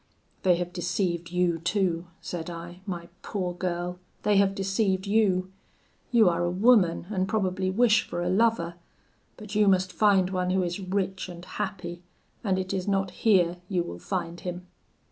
'They have deceived you too,' said I, 'my poor girl they have deceived you; you are a woman, and probably wish for a lover; but you must find one who is rich and happy, and it is not here you will find him.